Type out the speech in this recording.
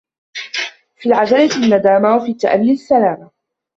في العجلة الندامة و في التاني السلامة